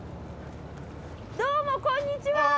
どうもこんにちは！